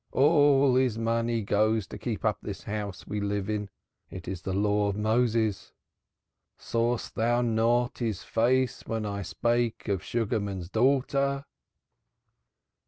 All his money goes to keep up this house we live in. It is the law of Moses. Sawest thou not his face when I spake of Sugarman's daughter?"